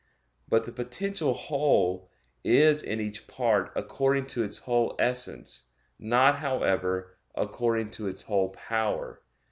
But the potential whole is in each part according to its whole essence, not, however, according to its whole power.